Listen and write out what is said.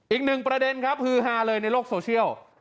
อีกหนึ่งประเด็นครับฮือฮาเลยในโลกโซเชียล